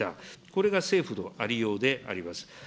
これが政府の在りようであります。